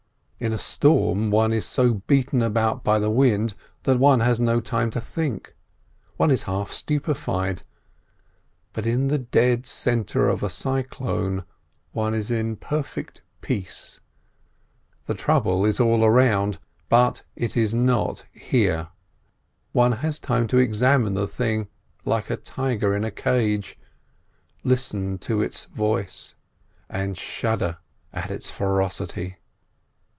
In a storm one is so beaten about by the wind that one has no time to think: one is half stupefied. But in the dead centre of a cyclone one is in perfect peace. The trouble is all around, but it is not here. One has time to examine the thing like a tiger in a cage, listen to its voice and shudder at its ferocity.